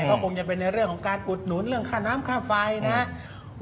ก็คงจะเป็นในเรื่องของการอุดหนุนเรื่องค่าน้ำค่าไฟนะครับ